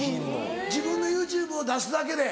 自分のＹｏｕＴｕｂｅを出すだけで。